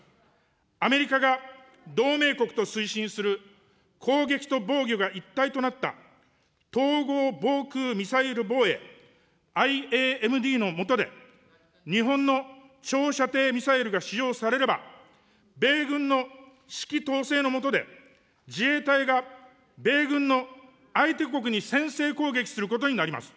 アメリカが同盟国と推進する攻撃と防御が一体となった統合防空ミサイル防衛・ＩＡＭＤの下で、日本の長射程ミサイルが使用されれば、米軍の指揮統制の下で、自衛隊が米軍の相手国に先制攻撃することになります。